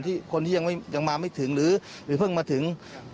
คนที่ยังมาไม่ถึงหรือเพิ่งมาถึง